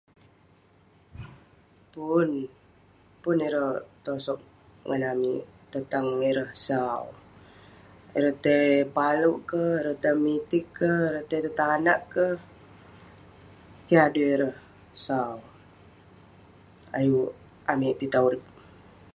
Pun, pun ireh tosog ngan amik tetang ireh sau. Ireh tai palouk kek, ireh tai mitig kek, ireh tai tong tanak kek. Keh adui ireh sau, ayuk amik pitah urip.